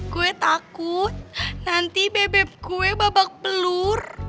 gue takut nanti bebek gue babak pelur